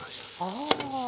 ああ。